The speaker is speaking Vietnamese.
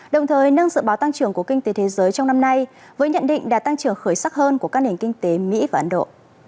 đồng thời nâng dự báo tăng trưởng của kinh tế thế giới trong năm nay với nhận định đã tăng trưởng khởi sắc hơn của các nền kinh tế mỹ và ấn độ